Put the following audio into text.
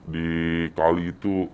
di kali itu